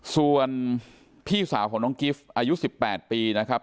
ส่วนพี่สาวของน้องกิฟต์อายุ๑๘ปีนะครับ